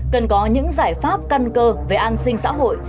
cần có những giải pháp căn cơ về an sinh xã hội